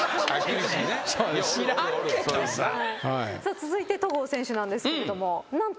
続いて戸郷選手なんですけれど何と。